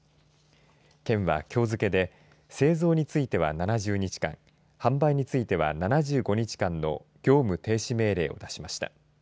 県は、きょう付けで製造については７０日間販売については７５日間の業務停止命令を出しました。